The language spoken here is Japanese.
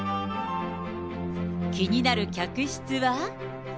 気になる客室は。